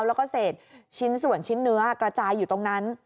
และเศษส่วนชิ้นเนื้อกระจายอยู่ตรงนั้น